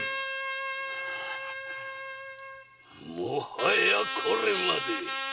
もはやこれまで！